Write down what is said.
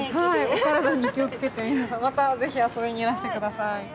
お体に気をつけて皆さんまた是非遊びにいらして下さい。